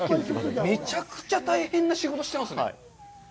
めちゃくちゃ大変な仕事してますね。